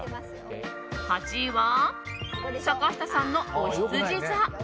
８位は、坂下さんのおひつじ座。